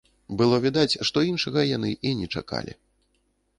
Было відаць, што іншага яны і не чакалі.